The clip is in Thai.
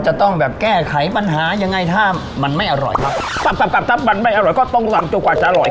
จะต้องแบบแก้ไขปัญหาอย่างไงถ้ามันไม่อร่อยครับตับกันเอาไปก็ต้องออกจะสามารถ